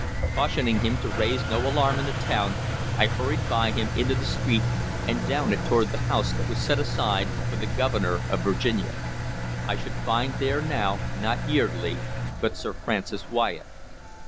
Cautioning him to raise no alarm in the town, I hurried by him into the street, and down it toward the house that was set aside for the Governor of Virginia. I should find there now, not Yeardley, but Sir Francis Wyatt.